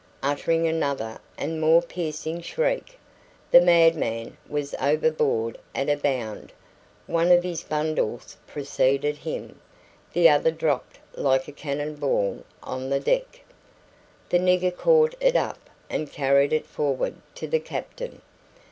Uttering another and more piercing shriek, the madman was overboard at a bound; one of his bundles preceded him; the other dropped like a cannon ball on the deck. The nigger caught it up and carried it forward to the captain.